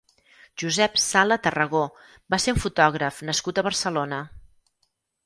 Josep Sala Tarragó va ser un fotògraf nascut a Barcelona.